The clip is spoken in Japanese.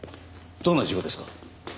どんな事故ですか？